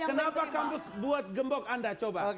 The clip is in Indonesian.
kenapa kampus buat gembok anda coba